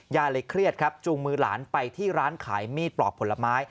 ยายเลยเครียดครับจูงมือหลานไปที่ร้านขายมีดปลอกผลไม้